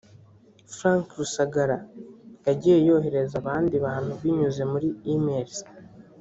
Frank Rusagara yagiye yoherereza abandi bantu binyuze muri emails